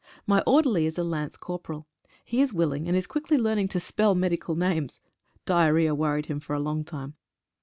My orderly is a lance corporal. He is willing, and is quickly learning to spell medical names — "diarrhoea" worried him for a long time.